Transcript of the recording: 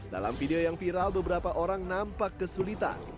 dalam video yang viral beberapa orang nampak kesulitan